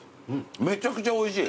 めちゃくちゃおいしい！